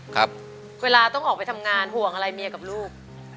ครับเวลาต้องออกไปทำงานห่วงอะไรเมียกับลูก